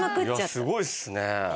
いやすごいっすね。